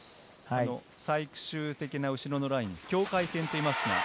最終的な後ろのラインを境界線と言います。